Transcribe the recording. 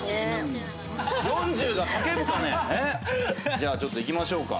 じゃあちょっといきましょうか。